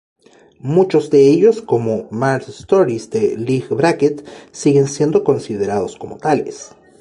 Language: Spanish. Muchos de ellos, como "Mars stories" de Leigh Brackett, siguen siendo considerados como tales.